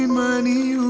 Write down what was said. aku akan pergi